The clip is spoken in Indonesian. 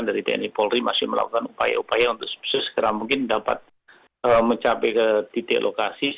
dari tni polri masih melakukan upaya upaya untuk sesegera mungkin dapat mencapai ke titik lokasi